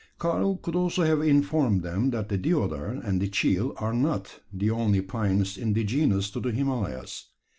Karl could also have informed them that the deodar and the cheel are not, the only pines indigenous to the Himalayas.